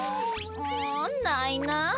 うんないな。